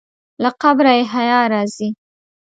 له قبره یې حیا راځي.